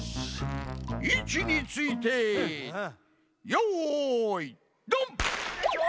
いちについてよいドン！